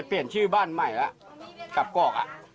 พูดเหมือนเดิมคือพูดอะไร